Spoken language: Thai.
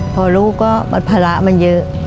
พอรู้ก็มันพละมันเยอะ